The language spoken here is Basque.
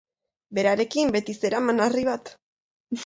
Berarekin, beti zeraman harri bat.